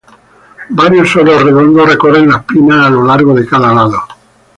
Varios soros redondos recorren las pinnas a lo largo de cada lado.